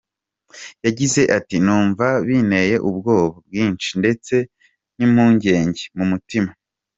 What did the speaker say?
Yagize ati “Numva binteye ubwoba bwinshi, ndetse n’impungenge mu mutima.